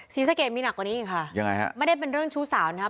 ศรีสะเกดมีหนักกว่านี้อีกค่ะยังไงฮะไม่ได้เป็นเรื่องชู้สาวนะครับ